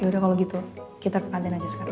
ya udah kalau gitu kita ke kantin aja sekarang